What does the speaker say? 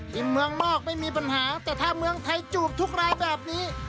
ที่เมืองนอกไม่มีปัญหาแต่ถ้าเมืองไทยจูบทุกรายแบบนี้